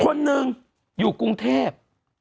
คนหนึ่งอยู่กรุงเทพ